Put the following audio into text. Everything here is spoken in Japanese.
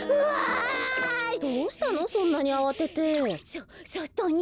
そそとに。